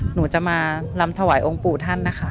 หนูจะมาลำถวายองค์ปู่ท่านนะคะ